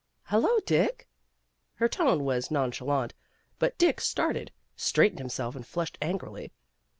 " Hello, Dick!" Her tone was non chalant, but Dick started, straightened himself and .flushed angrily.